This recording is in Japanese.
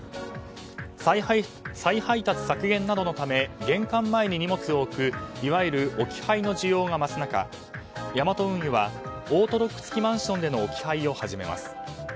再配達削減などのため玄関前に荷物を置くいわゆる置き配の需要が増す中ヤマト運輸はオートロック付きマンションでの置き配を始めます。